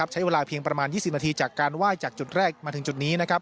ใช้เวลาเพียงประมาณ๒๐นาทีจากการไหว้จากจุดแรกมาถึงจุดนี้